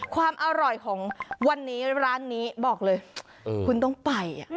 ความอร่อยของวันนี้ร้านนี้บอกเลยคุณต้องไป